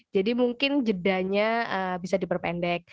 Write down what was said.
jadi mungkin jedanya bisa diperpendek